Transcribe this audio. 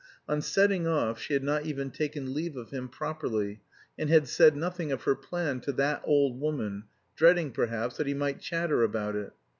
On setting off she had not even taken leave of him properly, and had said nothing of her plan to "that old woman," dreading, perhaps, that he might chatter about it.